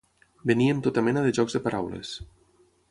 Veníem tota mena de jocs de paraules.